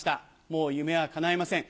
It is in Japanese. もう夢はかないません。